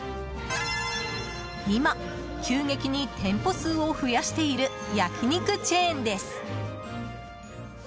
今、急激に店舗数を増やしている焼き肉チェーンです。